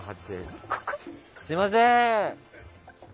すみません！